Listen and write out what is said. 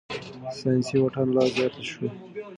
سياسي واټن لا زيات شو.